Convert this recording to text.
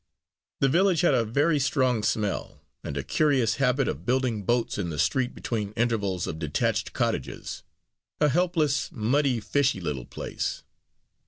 The village had a very strong smell, and a curious habit of building boats in the street between intervals of detached cottages; a helpless, muddy, fishy little place.